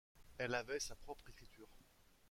Elle avait sa propre écriture.